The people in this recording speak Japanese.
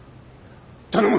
頼む！